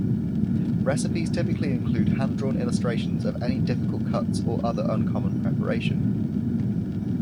Recipes typically include hand-drawn illustrations of any difficult cuts or other uncommon preparation.